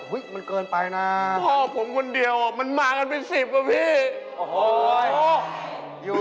ปีตีมารับรุม